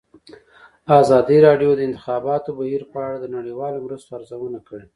ازادي راډیو د د انتخاباتو بهیر په اړه د نړیوالو مرستو ارزونه کړې.